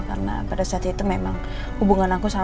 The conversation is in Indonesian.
karena pada saat itu memang hubungan aku sama al itu